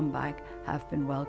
mereka telah kembali